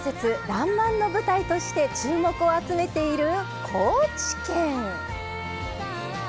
「らんまん」の舞台として注目を集めている高知県。